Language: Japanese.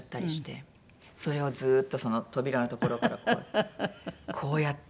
それをずっと扉の所からこうやって。